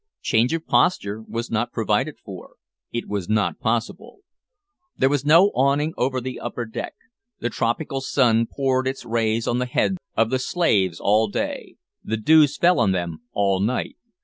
Change of posture was not provided for: it was not possible. There was no awning over the upper deck. The tropical sun poured its rays on the heads of the slaves all day. The dews fell on them all night.